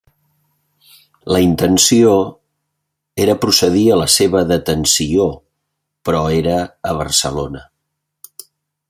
La intenció era procedir a la seva detenció, però era a Barcelona.